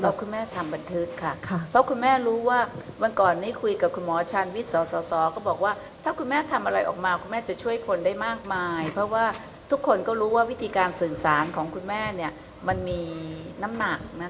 แล้วคุณแม่ทำบันทึกค่ะเพราะคุณแม่รู้ว่าวันก่อนนี้คุยกับคุณหมอชาญวิทย์สสก็บอกว่าถ้าคุณแม่ทำอะไรออกมาคุณแม่จะช่วยคนได้มากมายเพราะว่าทุกคนก็รู้ว่าวิธีการสื่อสารของคุณแม่มันมีน้ำหนัก